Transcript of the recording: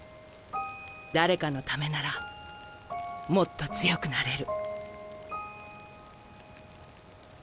誰かのためならもっと強くなれる。